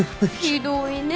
ひどいね